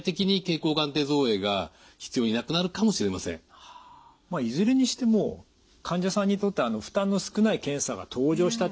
ただ今後まあいずれにしても患者さんにとって負担の少ない検査が登場した。